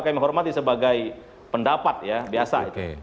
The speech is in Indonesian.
kami menghormati sebagai pendapat ya biasa